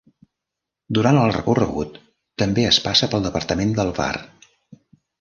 Durant el recorregut també es passa pel departament del Var.